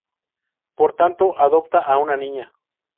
Por tanto, adopta a una niña.